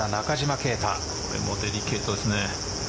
これもデリケートですね。